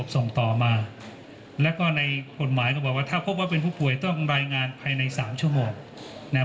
ผมคิดว่าเราสื่อสารกับทุกโรงพยาบาลได้หมดครับ